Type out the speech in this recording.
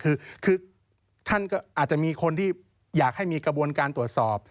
คือท่านก็อาจจะมีคนที่อยากให้มีกระบวนการตรวจสอบ